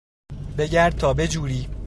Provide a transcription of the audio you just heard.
بگرد تا بجوری!